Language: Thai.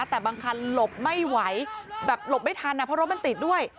แต่บางคันหลบไม่ไหวแบบหลบไม่ทันเพราะรถมันติดด้วย